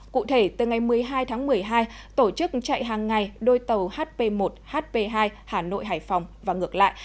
cụ thể từ ngày một mươi hai tháng một mươi hai tổ chức chạy hàng ngày đôi tàu hp một hp hai hà nội hải phòng và ngược lại